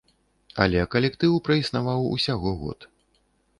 Але калектыў праіснаваў усяго год.